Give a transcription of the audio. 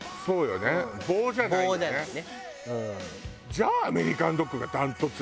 じゃあアメリカンドッグが断トツ！